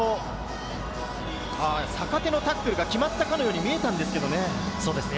坂手のタックルが決まったかのように見えたんですけれどね。